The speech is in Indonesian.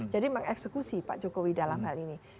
jadi mengeksekusi pak jokowi dalam hal ini